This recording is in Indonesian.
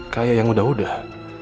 kayak yang udah udah